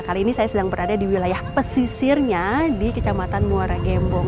kali ini saya sedang berada di wilayah pesisirnya di kecamatan muara gembong